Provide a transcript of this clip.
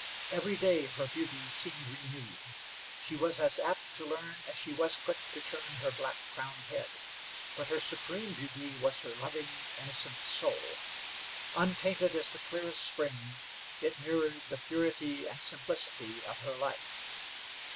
Every day her beauty seemed renewed. She was as apt to learn as she was quick to turn her black crowned head, but her supreme beauty was her loving, innocent soul. Untainted as the clearest spring, it mirrored the purity and simplicity of her life.